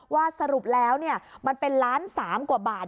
ว่าสรุปแล้วเนี่ยมันเป็นล้านสามกว่าบาท